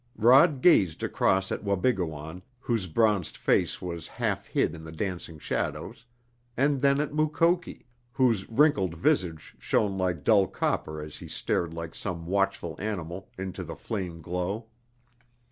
Rod gazed across at Wabigoon, whose bronzed face was half hid in the dancing shadows, and then at Mukoki, whose wrinkled visage shone like dull copper as he stared like some watchful animal into the flame glow.